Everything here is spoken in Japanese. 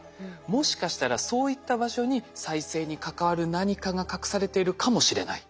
もしかしたらそういった場所に再生に関わる何かが隠されているかもしれない。